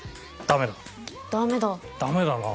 ダメだな。